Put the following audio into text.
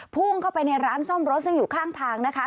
พุ่งเข้าไปในร้านซ่อมรถซึ่งอยู่ข้างทางนะคะ